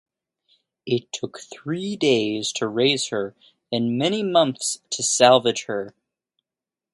It took three days to raise her and many months to salvage her.